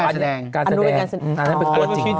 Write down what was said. อันนี้เป็นการแสดงอันนั้นเป็นตัวจริง